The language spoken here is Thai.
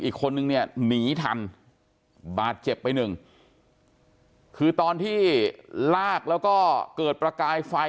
อีกคนนึงเนี่ยหนีทันบาดเจ็บไปหนึ่งคือตอนที่ลากแล้วก็เกิดประกายไฟ